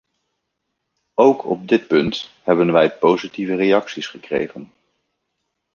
Ook op dit punt hebben wij positieve reacties gekregen.